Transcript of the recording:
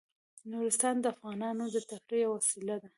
نورستان د افغانانو د تفریح یوه وسیله ده.